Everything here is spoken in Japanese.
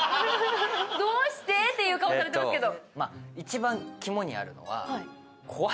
どうしてっていう顔をされてますけど。